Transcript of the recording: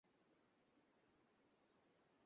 তাকে ডেকে বলছে, ঘোড়াটি ছেড়ে দাও।